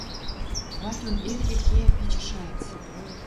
Ватюн эргӹ кеӓ пичӹ шайыц